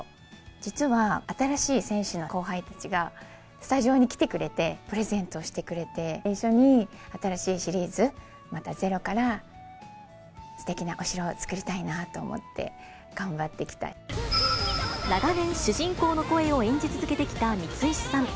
実は、新しい戦士の後輩たちが、スタジオに来てくれて、プレゼントしてくれて、一緒に新しいシリーズ、またゼロからすてきなお城を作りたいなと思って、長年、主人公の声を演じ続けてきた三石さん。